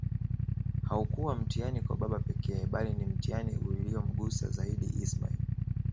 Haukua mtihani kwa baba pekee bali ni mtihani uliyomgusa zaidiIsmail